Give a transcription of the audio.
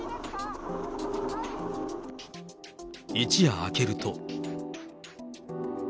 一夜明けると。